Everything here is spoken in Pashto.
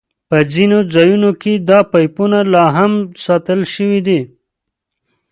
په ځینو ځایونو کې دا پایپونه لاهم ساتل شوي دي.